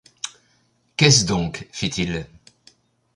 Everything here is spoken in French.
Qu’est-ce donc ? fit-il.